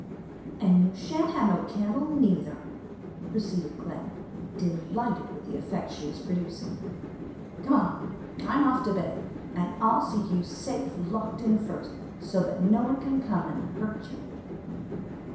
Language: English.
'An' you shan't have no candle, neither,' proceeded Clem, delighted with the effect she was producing. 'Come along! I'm off to bed, an' I'll see you safe locked in first, so as no one can come an' hurt you.